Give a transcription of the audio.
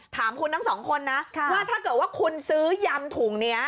ถามคุณทั้งสองคนนะว่าถ้าเกิดว่าคุณซื้อยำถุงนี้